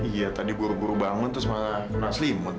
iya tadi buru buru bangun terus malah keras limut